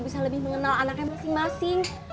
bisa lebih mengenal anaknya masing masing